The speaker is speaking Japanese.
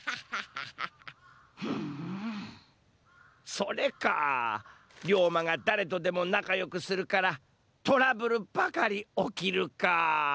それカ龍馬がだれとでもなかよくするからトラブルばかりおきるカ。